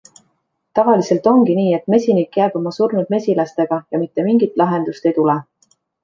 Tavaliselt ongi nii, et mesinik jääb oma surnud mesilastega ja mitte mingit lahendust ei tule.